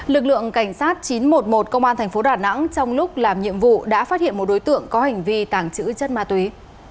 lực lượng cảnh sát chín trăm một mươi một công an thành phố đà nẵng trong lúc làm nhiệm vụ đã phát hiện một đối tượng có hành vi tàng trữ chất ma túy